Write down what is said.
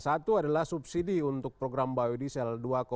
satu adalah subsidi untuk program biodiesel